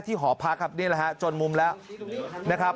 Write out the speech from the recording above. หอพักครับนี่แหละฮะจนมุมแล้วนะครับ